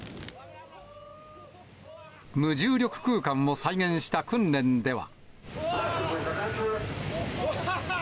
無重力空間を再現した訓練では。